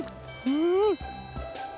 うん！